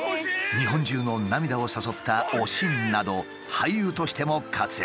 日本中の涙を誘った「おしん」など俳優としても活躍。